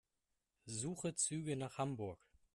Suche Züge nach Hamburg.